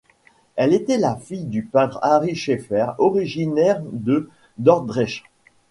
Elle était la fille du peintre Ary Scheffer, originaire de Dordrecht.